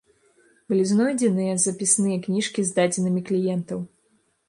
Былі знойдзеныя запісныя кніжкі з дадзенымі кліентаў.